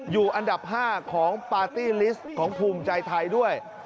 อยู่อันดับ๕ของปาร์ตี้ลิสต์ของภูมิใจไทยด้วย